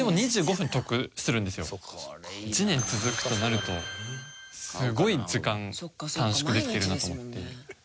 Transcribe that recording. １年続くとなるとすごい時間短縮できてるなと思って。